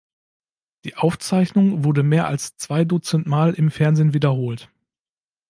Die Aufzeichnung wurde mehr als zwei Dutzend Mal im Fernsehen wiederholt.